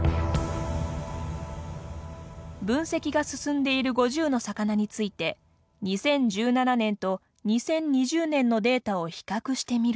分析が進んでいる５０の魚について２０１７年と２０２０年のデータを比較してみると。